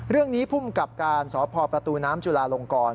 เรื่องนี้พุ่มกับการสพประตูน้ำจุลาลงกร